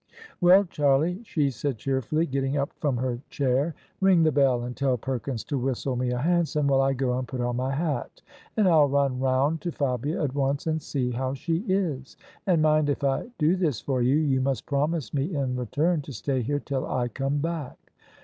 "Well, Charlie," she said cheerfully, getting up from her chair, " ring the bell and tell Perkins to whistle me a hansom, while I go and put on my hat; and I'll run round to Fabia at once and see how she is. And mind — if I do this for you — ^you must promise me in return to stay here till I come back."